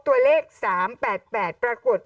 ตัวเลข๓๘๘ปรากฏ